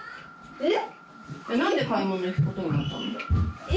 えっ？